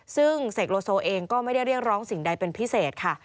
ซึ่งเสกโลโซเองก็ไม่ได้เรียกร้องสิ่งใดเป็นพิเศษค่ะ